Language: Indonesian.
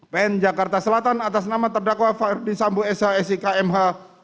pn jakarta selatan atas nama terdakwa ferdisambo sh sikmh